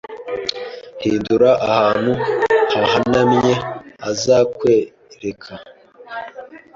Hindura ahantu hahanamye azakwereka